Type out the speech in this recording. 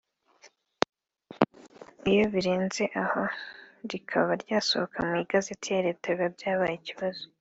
Iyo birenze aho rikaba ryasohoka mu igazeti ya Leta biba byabaye ikibazo